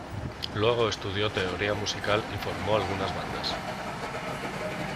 Luego estudió teoría musical y formó algunas bandas.